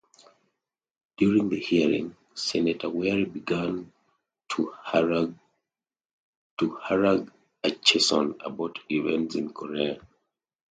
During the hearing, Senator Wherry began to harangue Acheson about events in Korea.